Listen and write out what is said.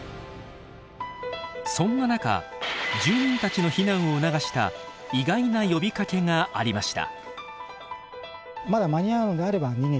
そんな中住民たちの避難を促した意外な呼びかけがありました。